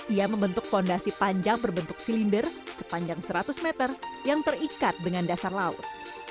ia membentuk fondasi panjang berbentuk silinder sepanjang seratus meter yang terikat dengan dasar laut